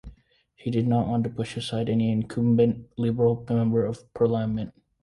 He did not want to push aside any incumbent Liberal member of Parliament.